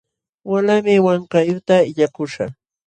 Walaymi Wankayuqta illakuśhaq.